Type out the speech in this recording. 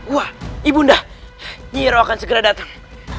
wah ibunda hero akan segera datang